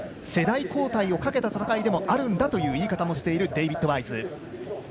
世代交代をかけた戦いなんだと言い方もしているデイビッド・ワイズ。